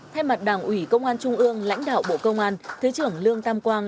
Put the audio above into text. thay mặt đảng ủy công an trung ương lãnh đạo bộ công an thứ trưởng lương tam quang